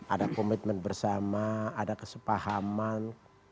ada komitmen bersama ada kesepahaman